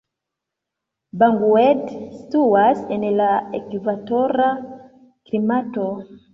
Bangued situas en la ekvatora klimato.